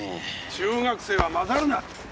中学生は交ざるな！